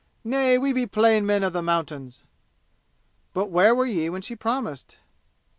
Nay, we be plain men of the mountains!" "But where were ye when she promised?"